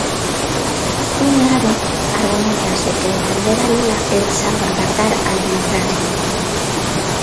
Dun lado, arguméntase que defender a Lula é salvagardar a democracia.